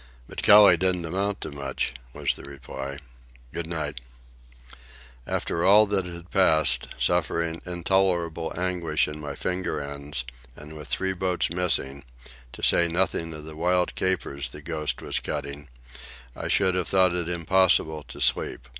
"But Kelly didn't amount to much," was the reply. "Good night." After all that had passed, suffering intolerable anguish in my finger ends, and with three boats missing, to say nothing of the wild capers the Ghost was cutting, I should have thought it impossible to sleep.